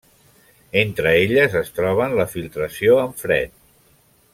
Entre elles es troben la filtració en fred.